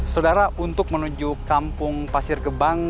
saudara untuk menuju kampung pasir gebang